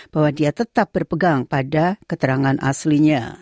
bahwa dia tetap berpegang pada keterangan aslinya